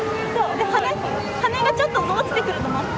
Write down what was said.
で羽根羽根がちょっと落ちてくるの待って。